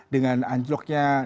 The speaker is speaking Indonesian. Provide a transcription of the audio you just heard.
dengan ancloknya nilai tukang